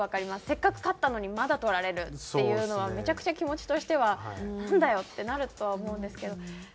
せっかく勝ったのにまだ取られるっていうのはめちゃくちゃ気持ちとしては「なんだよ！」ってなるとは思うんですけど。